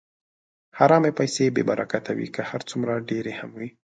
حرامې پیسې بېبرکته وي، که هر څومره ډېرې هم وي.